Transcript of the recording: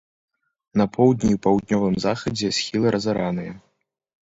На поўдні і паўднёвым захадзе схілы разараныя.